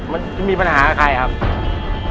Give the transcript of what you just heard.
มันมีปัญหากับใครครับ